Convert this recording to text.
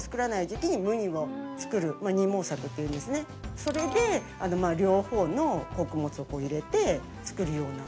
それで両方の穀物を入れて造るようになった。